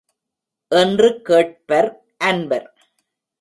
என்று கேட்பர், அன்பர்.